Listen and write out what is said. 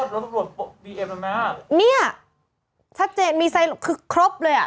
แล้วตำรวจเนี้ยชัดเจนมีคือครบเลยอ่ะ